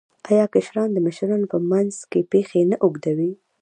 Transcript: آیا کشران د مشرانو په مخ کې پښې نه اوږدوي؟